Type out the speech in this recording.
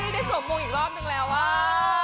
ได้สวมมูอีกรอบนึงแล้วว่ะ